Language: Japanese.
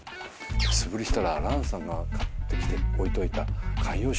素振りしたら蘭さんが買ってきて置いといた。